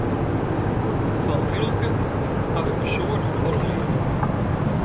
Fan Rilke haw ik in soad út de holle leard.